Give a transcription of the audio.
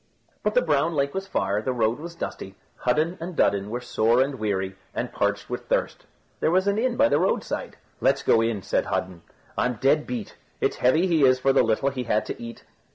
But the Brown Lake was far, the road was dusty, Hudden and Dudden were sore and weary, and parched with thirst. There was an inn by the roadside. "Let's go in," said Hudden; "I'm dead beat. It's heavy he is for the little he had to eat."